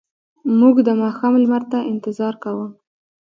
موږ د ماښام لمر ته انتظار کاوه.